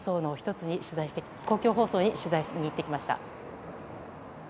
公共放送に取材に行ってきました。